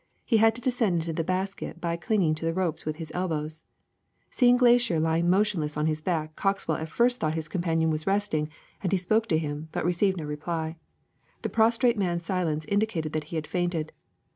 He had to descend into the basket by clinging to the ropes with his elbows. ^^ Seeing Glaisher lying motionless on his back Cox well at first thought his companion was resting, and he spoke to him, but received no reply. The pros trate man's silence indicated that he had fainted.